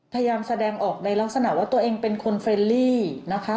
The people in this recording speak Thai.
พยายามแสดงออกในลักษณะว่าตัวเองเป็นคนเฟรนลี่นะคะ